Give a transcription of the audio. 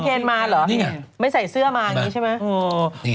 อ๋อคุณเค้นมาเหรอนี่แหละไม่ใส่เสื้อมาอย่างนี้ใช่ไหม